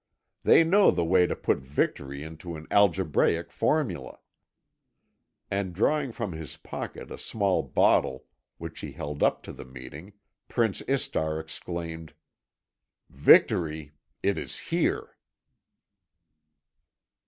They know the way to put victory into an algebraic formula." And drawing from his pocket a small bottle, which he held up to the meeting, Prince Istar exclaimed: "Victory it is here!"